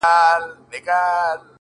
• نه مو نسیم ته نڅېدلی ارغوان ولیدی ,